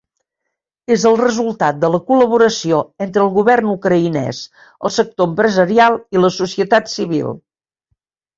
És el resultat de la col·laboració entre el govern ucraïnès, el sector empresarial i la societat civil.